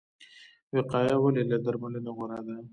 وقایه ولې له درملنې غوره ده؟